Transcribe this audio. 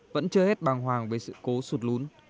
vẫn chưa hết bàng hoàng về sự cố sụt lún